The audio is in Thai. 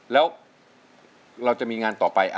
แล้วเราจะมีงานต่อไป